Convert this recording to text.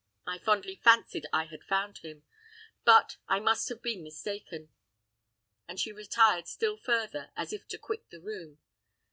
I fondly fancied I had found him; but I must have been mistaken." And she retired still further, as if to quit the room.